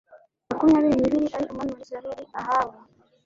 makumyabiri n ibiri ari umwami wa Isirayeli Ahabu